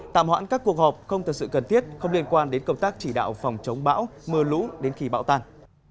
tạm hoãn các cuộc họp không thực sự cần thiết không liên quan đến cộng tác chỉ đạo phòng chống bão mưa lũ đến khi bão tàn